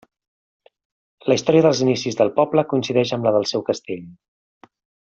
La història dels inicis del poble coincideix amb la del seu castell.